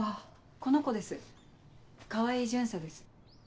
この子です川合巡査です。